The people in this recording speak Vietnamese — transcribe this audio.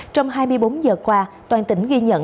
trong hai mươi bốn giờ qua toàn tỉnh ghi nhận